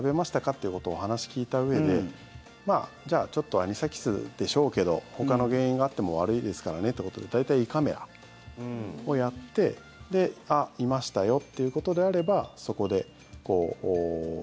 ってことをお話聞いたうえでじゃあ、アニサキスでしょうけどほかの原因があっても悪いですからねってことで大体、胃カメラをやっていましたよっていうことであればそこで。